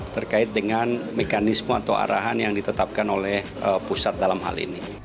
terkait dengan mekanisme atau arahan yang ditetapkan oleh pusat dalam hal ini